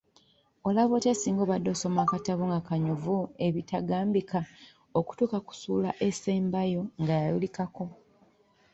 Olaba otya singa obadde osoma akatabo nga kanyuvu ebitagambi, okutuuka ku ssuula esembayo nga yayulikako!